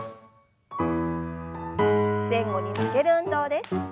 前後に曲げる運動です。